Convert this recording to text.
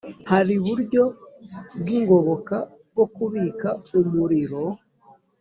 hari buryo bw’ingoboka bwo kubika umuriro